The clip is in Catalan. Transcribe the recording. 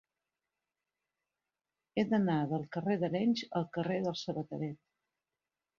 He d'anar del carrer d'Arenys al carrer del Sabateret.